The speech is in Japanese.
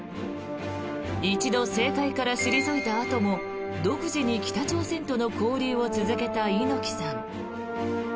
一度政界から退いたあとも独自に北朝鮮との交流を続けた猪木さん。